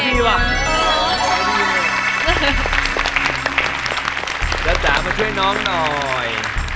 พี่ทะจามาช่วยน้องหน่อย